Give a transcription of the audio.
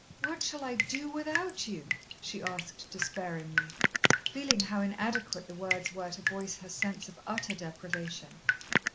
"What shall I do without you?" she asked despairingly, feeling how inadequate the words were to voice her sense of utter deprivation.